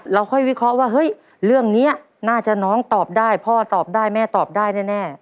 ค่อยวิเคราะห์ว่าเฮ้ยเรื่องนี้น่าจะน้องตอบได้พ่อตอบได้แม่ตอบได้แน่